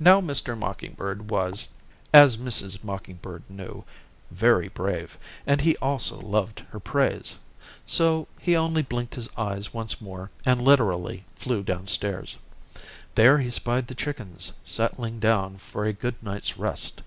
Now Mr. Mocking Bird was, as Mrs. Mocking Bird knew, very brave, and he also loved her praise. So he only blinked his eyes once more, and literally flew down stairs. There he spied the chickens settling down for a good night's rest.